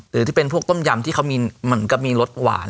หรือที่เป็นพวกต้มยำที่เขามีเหมือนกับมีรสหวาน